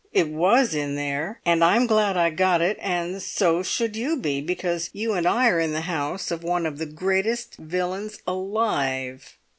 It was in there. And I'm glad I got it, and so should you be, because you and I are in the house of one of the greatest villains alive!"